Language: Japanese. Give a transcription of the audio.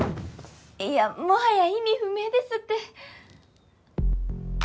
いやもはや意味不明ですって！